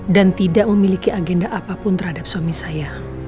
tidak memiliki agenda apapun terhadap suami saya